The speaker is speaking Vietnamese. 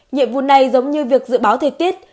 nhiệm vụ này giống như việc dự báo thời tiết